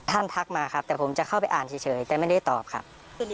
ทักมาครับแต่ผมจะเข้าไปอ่านเฉยแต่ไม่ได้ตอบครับ